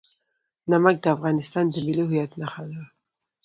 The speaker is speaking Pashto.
نمک د افغانستان د ملي هویت نښه ده.